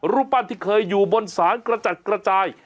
รูปปั้นที่เคยอยู่บนศาลกระจัดกระจาย